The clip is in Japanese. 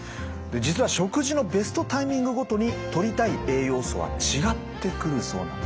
実は食事のベストタイミングごとにとりたい栄養素は違ってくるそうなんですね。